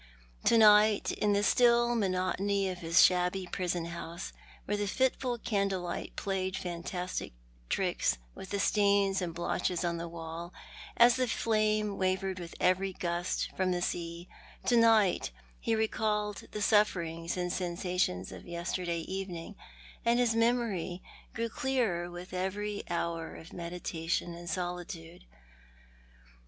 To night, in the still monotony of his shabby prison house, Avhere the fitful candle light played fantastic tricks with the stains and blotches on the wall, as the flame wavered with every gust from the sea, to night he recalled the sufferings and sensa tions of yesterday evening, and his memory grew clearer with every hour of meditation and solitude.